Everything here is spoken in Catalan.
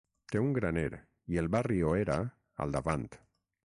Té un graner i el barri o era al davant.